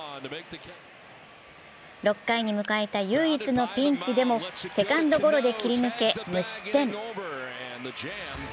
６回に迎えた唯一のピンチでもセカンドゴロで切り抜け無失点。